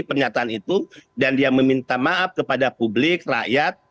pernyataan itu dan dia meminta maaf kepada publik rakyat